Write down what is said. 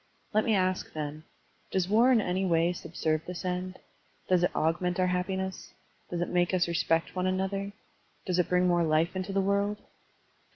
Let me ask, then: Does war in any way subserve this end? does it augment our happi ness? does it make us respect one another? does it bring more life into the world?